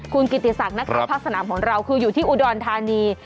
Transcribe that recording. คุณกิติศักดิ์นักงานพักษณะของเราคืออยู่ที่อุดรธานี